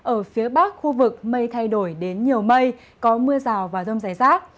ở phía bắc khu vực mây thay đổi đến nhiều mây có mưa rào và rông rải rác